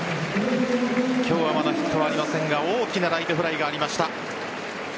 今日はまだヒットはありませんが大きなライトフライがありました。